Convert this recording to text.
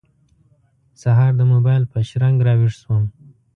سهار د موبایل په شرنګ راوېښ شوم.